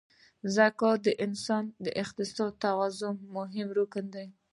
زکات د اسلام د اقتصاد د توازن مهم رکن دی.